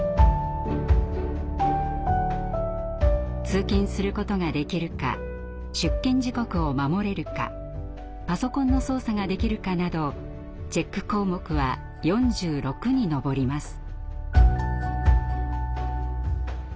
通勤することができるか出勤時刻を守れるかパソコンの操作ができるかなどチェック項目は４６に上ります。